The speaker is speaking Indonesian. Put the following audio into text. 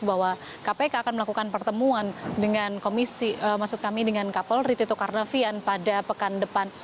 bahwa kpk akan melakukan pertemuan dengan kapolri tito karnavian pada pekan depan